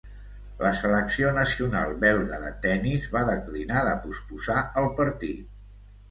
La selecció nacional belga de tennis va declinar de posposar el partit.